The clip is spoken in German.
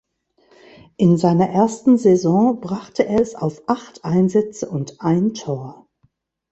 In seiner ersten Saison brachte er es auf acht Einsätze und ein Tor.